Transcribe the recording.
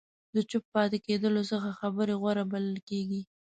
د چوپ پاتې کېدلو څخه خبرې غوره بلل کېږي.